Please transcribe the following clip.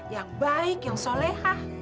yang baik yang solehah